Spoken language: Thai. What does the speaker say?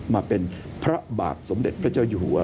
มาเป็นพระบาทสมเด็จพระเจ้าอยู่หัว